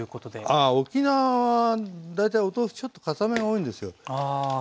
あ沖縄は大体お豆腐ちょっとかためが多いんですよ。